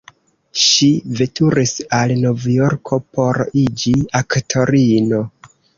Ŝi veturis al Novjorko, por iĝi aktorino.